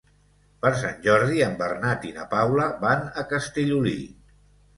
Per Sant Jordi en Bernat i na Paula van a Castellolí.